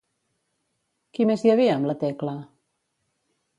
Qui més hi havia amb la Tecla?